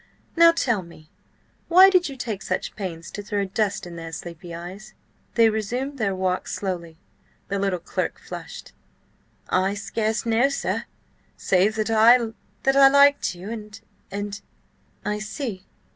Now tell me, why did you take such pains to throw dust in their sleepy eyes?" They resumed their walk slowly. The little clerk flushed. "I scarce know, sir, save that I–that I liked you, and–and—" "I see.